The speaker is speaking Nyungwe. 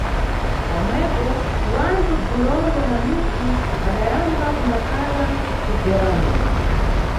Pamwepo, wanthu, bzirombo na miti adyamba kumbakhala nʼcibverano.